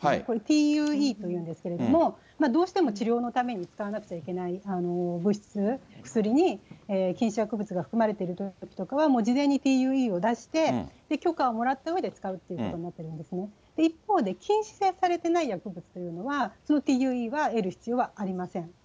これ、ＰＵＥというんですけどどうしても治療のために使わなくちゃいけない物質、薬に、禁止薬物が含まれているときは、もう事前にＰＵＥは出して、許可をもらったうえで使うっていうことになってるんですけども、一方で禁止されていない薬物というのは、ＴＵＥは得る必要はありません。